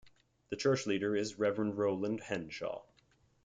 The church leader is Reverend Rowland Henshaw.